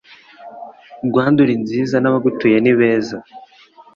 rwanda uri nziza nabagutuye nibeza